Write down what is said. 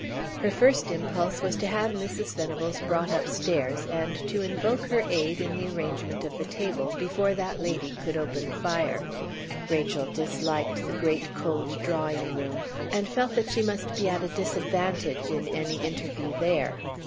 Her first impulse was to have Mrs. Venables brought upstairs, and to invoke her aid in the arrangement of the table before that lady could open fire. Rachel disliked the great cold drawing room, and felt that she must be at a disadvantage in any interview there.